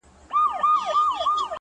د يوسفي ښکلا چيرمنې نوره مه راگوره ـ